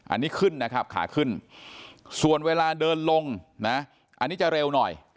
อันนี้ขึ้นนะครับขาขึ้นส่วนเวลาเดินลงนะอันนี้จะเร็วหน่อย